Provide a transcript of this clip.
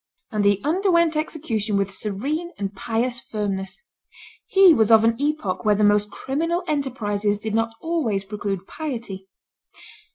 And he underwent execution with serene and pious firmness. He was of an epoch when the most criminal enterprises did not always preclude piety.